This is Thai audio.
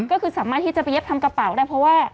ก็คือสามารถที่จะไปเย็บทำกระเป๋าได้เพราะว่า